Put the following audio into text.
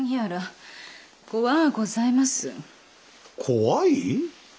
怖い？